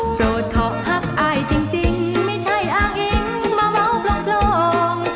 โปรดขอหักอายจริงไม่ใช่อ้างอิงมาเบาโปร่งโปร่ง